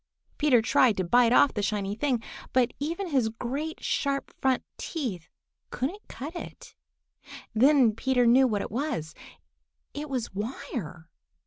Peter tried to bite off the shiny thing, but even his great, sharp front teeth couldn't cut it. Then Peter knew what it was. It was wire!